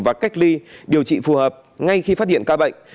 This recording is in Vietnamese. và cách ly điều trị phù hợp ngay khi phát hiện ca bệnh